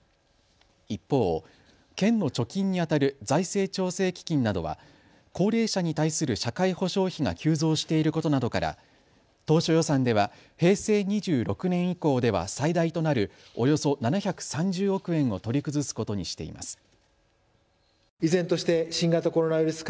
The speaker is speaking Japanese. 一方、県の貯金にあたる財政調整基金などは高齢者に対する社会保障費が急増していることなどから当初予算では平成２６年以降では最大となるおよそ７３０億円を取り崩すことにしています。